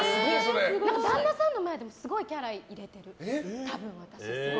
旦那さんの前でもすごいキャラ入れてる、多分。